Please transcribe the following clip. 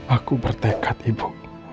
aku bertekad ibu